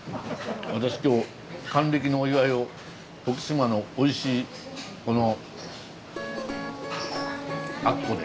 私今日還暦のお祝いを徳島のおいしいこのあっこでさせて頂いております。